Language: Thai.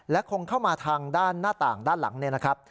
และคงเข้ามาทางด้านหน้าต่างด้านหลังเนี่ยนะครับ